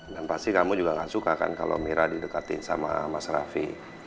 dan pasti kamu juga enggak suka kan kalau mira didekatin sama mas raffi